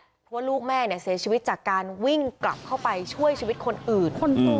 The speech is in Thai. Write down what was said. เพราะว่าลูกแม่เนี่ยเสียชีวิตจากการวิ่งกลับเข้าไปช่วยชีวิตคนอื่น